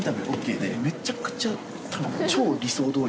めちゃくちゃ多分。